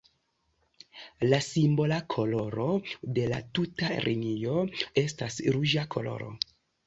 La simbola koloro de la tuta linio estas ruĝa koloro.